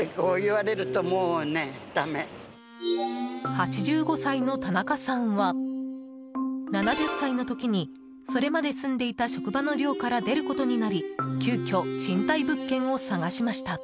８５歳の田中さんは７０歳の時にそれまで住んでいた職場の寮から出ることになり急きょ、賃貸物件を探しました。